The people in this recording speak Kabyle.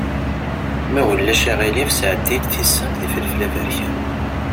Ma ulac aɣilif sɛeddi-yi-d tisent d yifelfel aberkan.